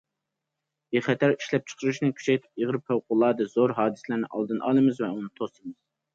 بىخەتەر ئىشلەپچىقىرىشنى كۈچەيتىپ، ئېغىر، پەۋقۇلئاددە زور ھادىسىلەرنىڭ ئالدىنى ئالىمىز ۋە ئۇنى توسىمىز.